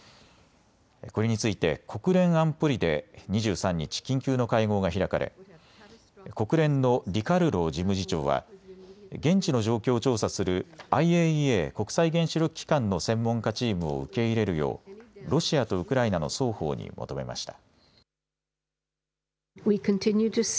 これについて国連安保理で２３日、緊急の会合が開かれ国連のディカルロ事務次長は現地の状況を調査するＩＡＥＡ・国際原子力機関の専門家チームを受け入れるようロシアとウクライナの双方に求めました。